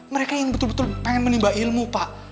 mereka yang betul betul pengen menimba ilmu pak